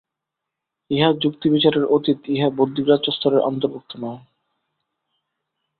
ইহা যুক্তি-বিচারের অতীত, ইহা বুদ্ধিগ্রাহ্য স্তরের অন্তর্ভুক্ত নয়।